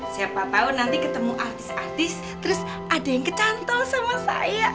siapa tahu nanti ketemu artis artis terus ada yang kecantol sama saya